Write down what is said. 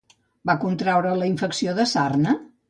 Va contraure la infecció de sarna?